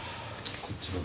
こっちも。